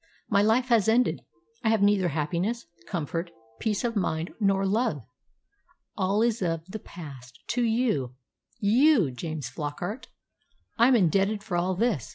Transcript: My life has ended. I have neither happiness, comfort, peace of mind, nor love. All is of the past. To you you, James Flockart I am indebted for all this!